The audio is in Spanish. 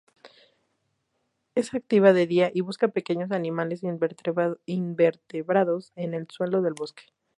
Es activa de día y busca pequeños animales invertebrados, en el suelo del bosque.